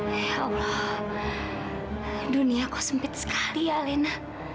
ya allah dunia kok sempit sekali ya lina